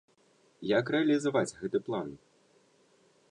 Як рэалізаваць гэты план?